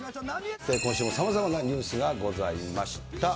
今週もさまざまなニュースがございました。